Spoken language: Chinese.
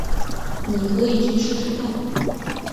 妳可以去试试看